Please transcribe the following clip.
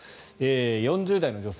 ４０代の女性。